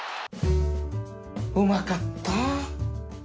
うまかった